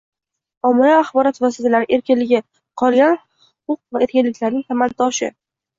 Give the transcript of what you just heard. Ommaviy axborot vositalari erkinligi qolgan huquq va erkinliklarning tamal toshi